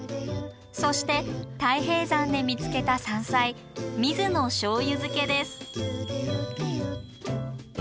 そして太平山で見つけた山菜ミズのしょうゆ漬けです。